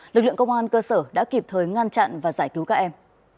lực lượng công an cơ sở đã kịp thời ngăn chặn và giải cứu các em